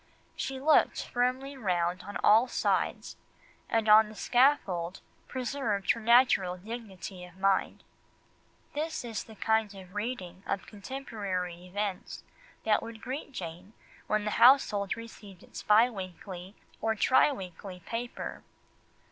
She looked firmly round her on all sides, and on the scaffold preserved her natural dignity of mind." This is the kind of reading of contemporary events that would greet Jane when the household received its bi weekly or tri weekly paper.